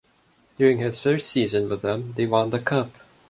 During his first season with them, they won the Cup.